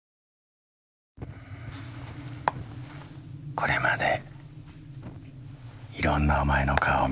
これまでいろんなお前の顔を見てきた。